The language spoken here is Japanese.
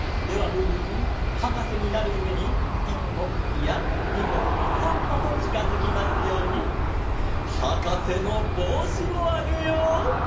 ではムームーくんはかせになるゆめに１ぽいや２ほ３ぽとちかづきますようにはかせのぼうしをあげよう！